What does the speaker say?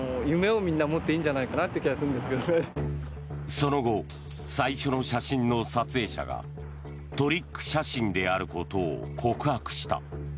その後、最初の写真の撮影者がトリック写真であることを告白した。